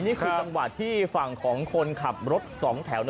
นี่คือจังหวะที่ฝั่งของคนขับรถสองแถว